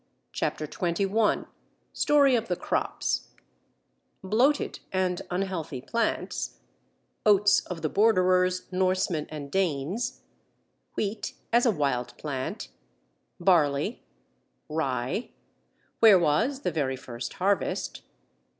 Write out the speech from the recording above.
CHAPTER XXI STORY OF THE CROPS Bloated and unhealthy plants Oats of the Borderers, Norsemen, and Danes Wheat as a wild plant Barley Rye Where was the very first harvest?